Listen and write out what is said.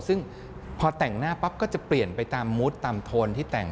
ซึ่งพอแต่งหน้าปั๊บก็จะเปลี่ยนไปตามมุดตามโทนที่แต่ง